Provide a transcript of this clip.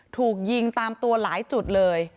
ถูกยิงตามตัวหลายจุดเลย